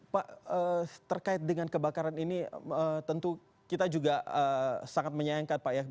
pak terkait dengan kebakaran ini tentu kita juga sangat menyayangkan pak ya